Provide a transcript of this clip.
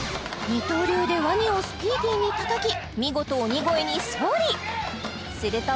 二刀流でワニをスピーディーにたたき見事鬼越に勝利すると